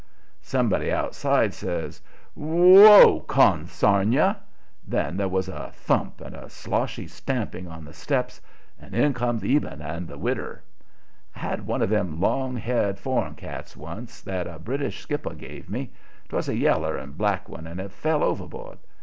Somebody outside says: "Whoa, consarn you!" Then there was a thump and a sloshy stamping on the steps, and in comes Eben and the widder. I had one of them long haired, foreign cats once that a British skipper gave me. 'Twas a yeller and black one and it fell overboard.